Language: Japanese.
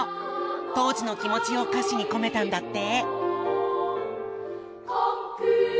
当時の気持ちを歌詞に込めたんだって！